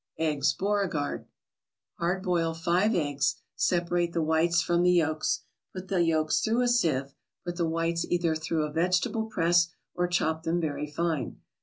EGGS BEAUREGARD Hard boil five eggs. Separate the whites from the yolks. Put the yolks through a sieve. Put the whites either through a vegetable press, or chop them very fine.